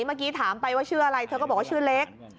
เมื่อกี้ถามไปว่าชื่ออะไรเธอก็บอกว่าชื่อเล็ก